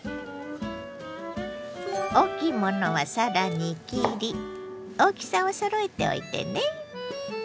大きいものはさらに切り大きさをそろえておいてね。